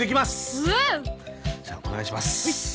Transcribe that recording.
じゃあお願いします。